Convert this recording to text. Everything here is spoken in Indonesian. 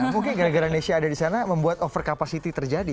mungkin gara gara nesya ada di sana membuat over capacity terjadi